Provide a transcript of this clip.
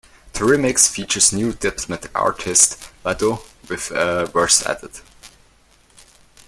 The remix features new Diplomat artist Vado with a verse added.